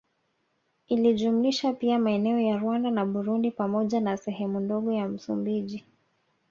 Ilijumlisha pia maeneo ya Rwanda na Burundi pamoja na sehemu ndogo ya Msumbiji